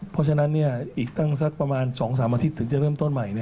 เพราะฉะนั้นอีกตั้งสักประมาณ๒๓อาทิตย์ถึงจะเริ่มต้นใหม่